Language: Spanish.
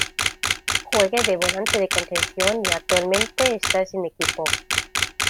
Juega de volante de contención y actualmente está sin equipo.